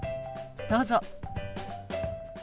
どうぞ。